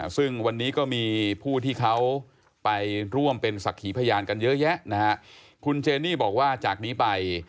เยอะแยะนะฮะคุณเจนี่บอกว่าจากนี้ไป